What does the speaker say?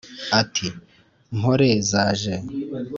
Ati: mpore zaje